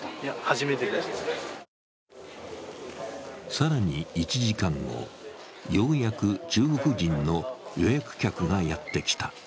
更に１時間後、ようやく中国人の予約客がやってきた。